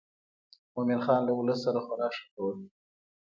مومن خان له ولس سره خورا ښه کول.